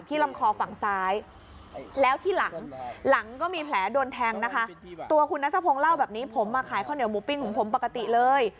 ที่ลำคอฝั่งซ้าย